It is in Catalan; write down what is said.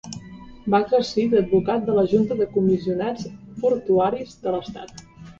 Va exercir d'advocat a la Junta de Comissionats Portuaris de l'Estat.